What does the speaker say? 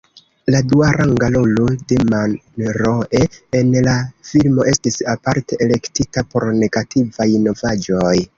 La duaranga rolo de Monroe en la filmo estis aparte elektita por negativaj novaĵoj.